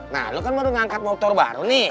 nah lo kan baru ngangkat motor baru nih